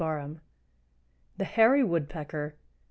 ] THE HAIRY WOODPECKER.